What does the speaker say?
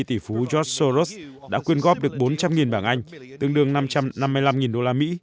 tỷ phú george soros đã quyên góp được bốn trăm linh bảng anh tương đương năm trăm năm mươi năm đô la mỹ